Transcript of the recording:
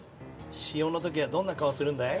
塩の時はどんな顔するんだい？